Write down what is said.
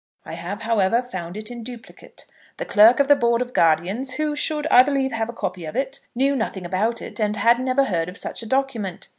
I have, however, found it in duplicate. The clerk of the Board of Guardians, who should, I believe, have a copy of it, knew nothing about it; and had never heard of such a document.